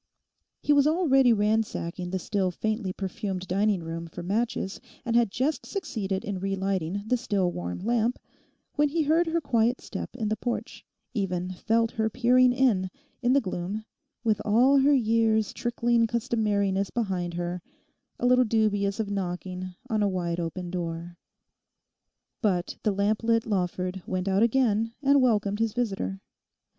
He was already ransacking the still faintly perfumed dining room for matches, and had just succeeded in relighting the still warm lamp, when he heard her quiet step in the porch, even felt her peering in, in the gloom, with all her years' trickling customariness behind her, a little dubious of knocking on a wide open door. But the lamp lit Lawford went out again and welcomed his visitor.